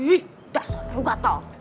ih dasar lo gatel